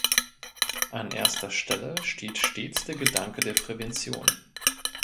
An erster Stelle steht stets der Gedanke der „Prävention“.